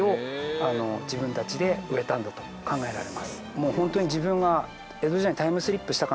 もうホントに自分が。